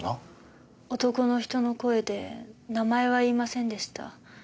男の人の声で名前は言いませんでした。